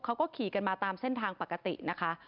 เขาก็ขี่กันมาตามเส้นทางปกตินะคะ